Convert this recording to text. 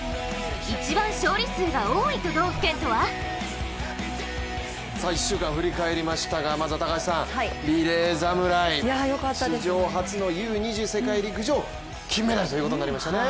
一番勝利数が多い都道府県とは１週間を振り返りましたが、まずは高橋さんリレー侍、史上初のＵ２０の世界陸上金メダルということになりましたね。